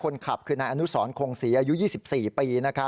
คนขับคือนายอนุสรคงศรีอายุ๒๔ปี